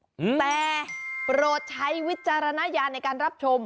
อืมแต่โปรดใช้วิจารณญาณในการรับชม